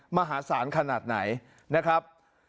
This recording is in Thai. มหาศาลขนาดไหนนะครับ